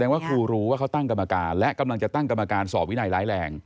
ว่าครูรู้ว่าเขาตั้งกรรมการและกำลังจะตั้งกรรมการสอบวินัยร้ายแรง